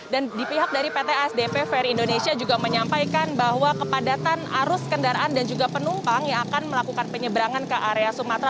dan di pihak dari pt asdp ferry indonesia juga menyampaikan bahwa kepadatan arus kendaraan dan juga penumpang yang akan melakukan penyeberangan ke area sumatera